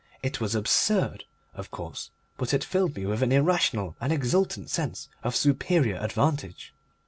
It was absurd, of course; but it filled me with an irrational, an exultant sense of superior advantage.